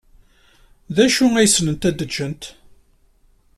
D acu ay ssnent ad gent?